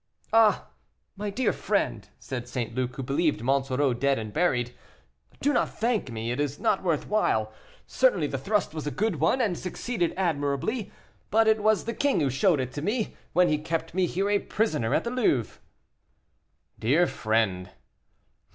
"Ah! my dear friend," said St. Luc, who believed Monsoreau dead and buried, "do not thank me, it is not worth while; certainly the thrust was a good one, and succeeded admirably, but it was the king who showed it me, when he kept me here a prisoner at the Louvre." "Dear friend."